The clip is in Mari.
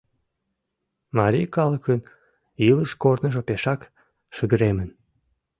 Марий калыкын илыш-корныжо пешак шыгыремын.